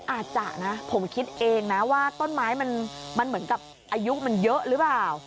อาจจะนะผมคิดเองนะว่าต้นไม้มันเหมือนกับอายุมันเยอะหรือเปล่า